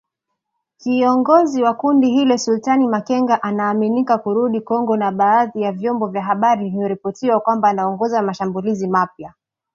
Kiongozi wa kundi hilo Sultani Makenga anaaminika kurudi Kongo na badhi ya vyombo vya habari vimeripoti kwamba anaongoza mashambulizi mapya